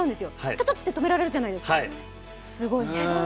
タタッて止められるじゃないですか、すごいです。